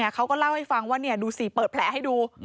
เขาก็เล่าให้ฟังว่าดูสิเปิดแผลให้ดู